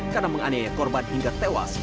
karena menganiaya korban hingga tewas